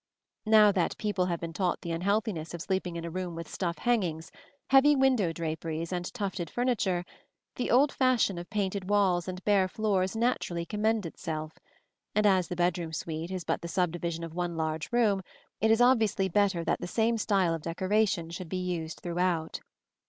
Now that people have been taught the unhealthiness of sleeping in a room with stuff hangings, heavy window draperies and tufted furniture, the old fashion of painted walls and bare floors naturally commends itself; and as the bedroom suite is but the subdivision of one large room, it is obviously better that the same style of decoration should be used throughout.